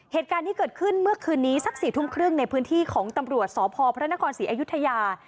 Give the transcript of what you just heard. เหตุการณ์ที่เกิดขึ้นเมื่อคืนนี้สัก๔ทุ่มครึ่งในพื้นที่ของตำรวจสพพระนครศรีอยุธยา